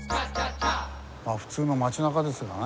まあ普通の町なかですがね。